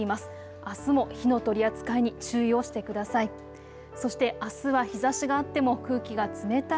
あすも火の取り扱いに注意をしてください。